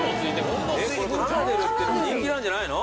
カナデルっていうのも人気なんじゃないの？